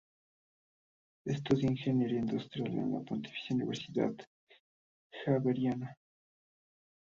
Estudia Ingeniería Industrial en la Pontificia Universidad Javeriana.